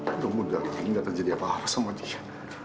aduh mudah ini gak terjadi apa apa sama dia